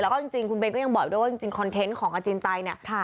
แล้วก็จริงคุณเบนก็ยังบอกด้วยว่าจริงคอนเทนต์ของอาเจนไตเนี่ย